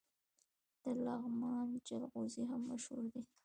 د لغمان جلغوزي هم مشهور دي.